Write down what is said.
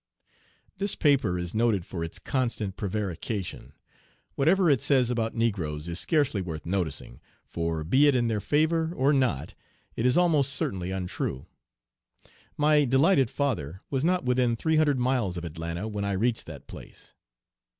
This paper is noted for its constant prevarication. Whatever it says about negroes is scarcely worth noticing, for be it in their favor or not it is almost certainly untrue. My "delighted father" was not within three hundred miles of Atlanta when I reached that place.